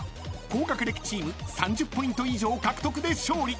高学歴チーム３０ポイント以上獲得で勝利］